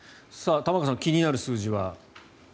さあ、玉川さん気になる数字は。